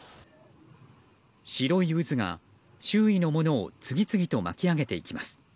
白い渦が周囲のものを次々を巻き上げていきます。